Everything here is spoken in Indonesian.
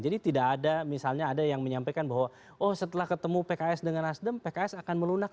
jadi tidak ada misalnya ada yang menyampaikan bahwa setelah ketemu pks dengan nasdem pks akan melunak